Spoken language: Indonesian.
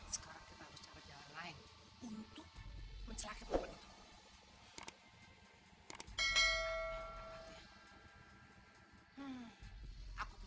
sekarang kita harus cari jalan lain untuk mencelakit momen itu